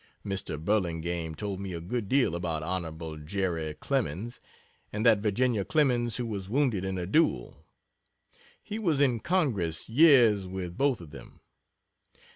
Mr. Burlingame told me a good deal about Hon. Jere Clemens and that Virginia Clemens who was wounded in a duel. He was in Congress years with both of them.